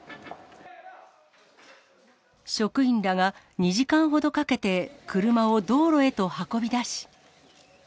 職員らが２時間ほどかけて、車を道路へと運び出し。